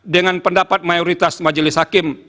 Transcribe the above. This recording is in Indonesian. dengan pendapat mayoritas majelis hakim